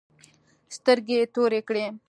سترگې يې تورې کړې.